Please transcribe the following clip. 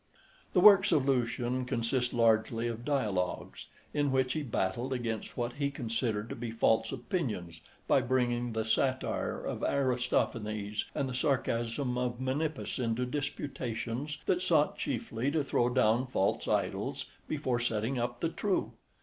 The works of Lucian consist largely of dialogues, in which he battled against what he considered to be false opinions by bringing the satire of Aristophanes and the sarcasm of Menippus into disputations that sought chiefly to throw down false idols before setting up the true.